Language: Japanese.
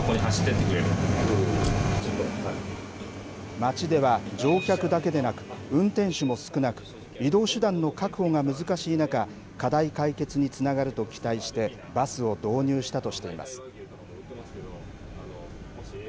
町では乗客だけでなく、運転手も少なく移動手段の確保が難しい中課題解決につながると期待してバスを導入したとしています。